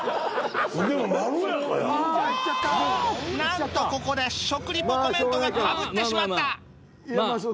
なんとここで食リポコメントがかぶってしまった！